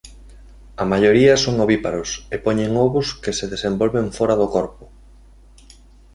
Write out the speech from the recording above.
A maioría son ovíparos e poñen ovos que se desenvolven fóra do corpo.